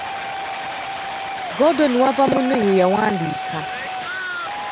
Gordon Wavamunno ye yakiwandiika.